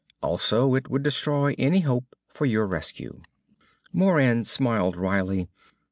Also, it would destroy any hope for your rescue." Moran smiled wryly.